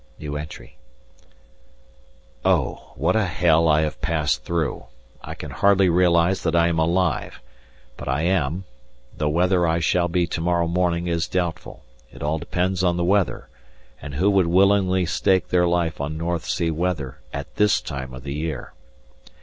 Oh! what a hell I have passed through. I can hardly realize that I am alive, but I am, though whether I shall be to morrow morning is doubtful it all depends on the weather, and who would willingly stake their life on North Sea weather at this time of the year?